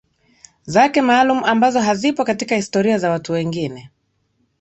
zake maalum ambazo hazipo katika historia za watu wengine